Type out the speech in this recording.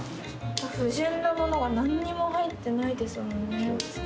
不純なものが何にも入ってないですもんね。